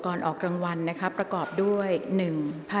กรรมการท่านที่ห้าได้แก่กรรมการใหม่เลขเก้า